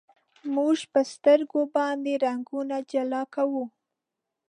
موږ په سترګو باندې رنګونه جلا کوو.